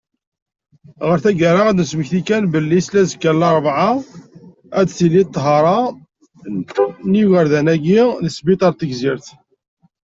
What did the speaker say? Ɣer taggara, ad d-nesmekti kan belli seldazekka n larebɛa, ad tili ṭṭhara n yigerdan-agi deg ssbiṭer n Tigzirt.